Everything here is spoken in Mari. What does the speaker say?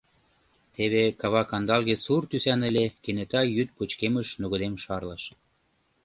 Теве кава кандалге-сур тӱсан ыле — кенета йӱд пычкемыш нугыдем шарлыш.